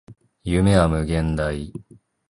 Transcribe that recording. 夢は無限大